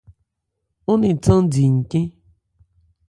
Ɔ́n ne thandi ncɛ́n.